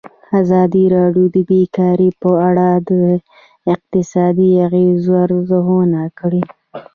ازادي راډیو د بیکاري په اړه د اقتصادي اغېزو ارزونه کړې.